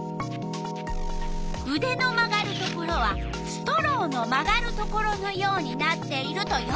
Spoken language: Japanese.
うでの曲がるところはストローの曲がるところのようになっていると予想。